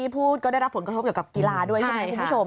พูดก็ได้รับผลกระทบเกี่ยวกับกีฬาด้วยใช่ไหมคุณผู้ชม